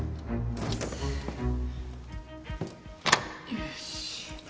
よし。